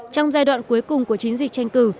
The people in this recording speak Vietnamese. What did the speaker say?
trong giai đoạn cuối cùng của chiến dịch tranh cử